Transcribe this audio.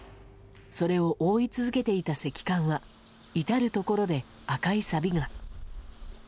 それを覆い続けていた石棺は至るところで赤いさびが。